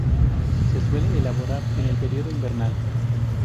Se suele elaborar en el periodo invernal.